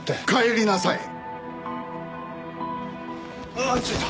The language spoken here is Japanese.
あっちょっと。